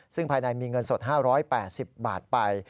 ซึ่งภายในมีเงินสด๕๘๐บาทไป